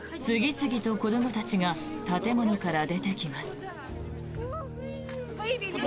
次々と子どもたちが建物から出てきます。